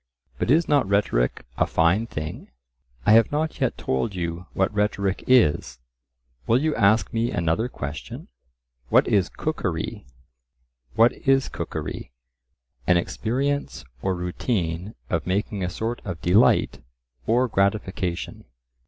"But is not rhetoric a fine thing?" I have not yet told you what rhetoric is. Will you ask me another question—What is cookery? "What is cookery?" An experience or routine of making a sort of delight or gratification.